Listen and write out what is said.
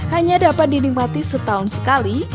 hanya dapat dinikmati setahun sekali